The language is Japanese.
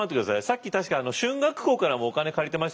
さっき確か春嶽公からもお金借りてましたよね？